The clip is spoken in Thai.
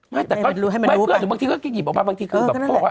ไม่ไปรู้เบื่อนหนูบางทีเขาหยิบออกมาบางทีก็แบบ